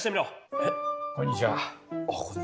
あっこんにちは。